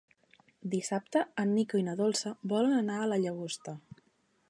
Dissabte en Nico i na Dolça volen anar a la Llagosta.